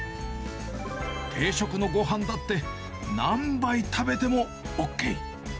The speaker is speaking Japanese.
定食のごはんだって、何杯食べてもＯＫ。